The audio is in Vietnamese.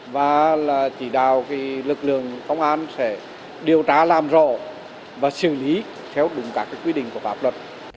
và chỉ đào lực lượng công an sẽ điều tra làm rõ và xử lý theo đúng các quy định của pháp luật